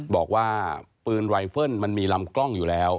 บอกว่าปืนไวเฟิลมันมีลำกล้องอยู่แล้ว